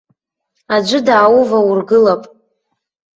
Аӡәы даауваургылап.